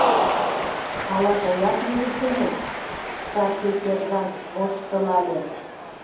— Ала тыят нӱжыктынет? — старший сержант воштылале.